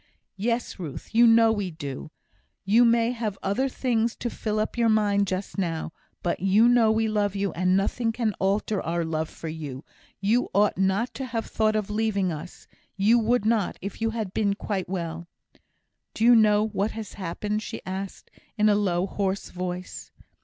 "Yes! Ruth. You know we do. You may have other things to fill up your mind just now, but you know we love you; and nothing can alter our love for you. You ought not to have thought of leaving us. You would not, if you had been quite well." "Do you know what has happened?" she asked, in a low, hoarse voice.